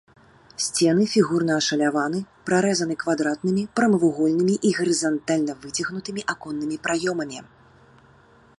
Сцены фігурна ашаляваны, прарэзаны квадратнымі, прамавугольнымі і гарызантальна выцягнутымі аконнымі праёмамі.